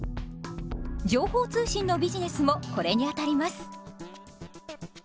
情報通信のビジネスもこれにあたります。